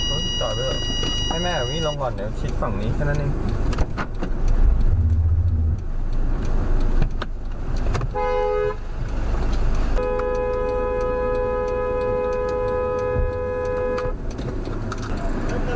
อืมจอดด้วยให้แม่อาวิทย์ลองก่อนเดี๋ยวชิดฝั่งนี้แค่นั้นหนึ่ง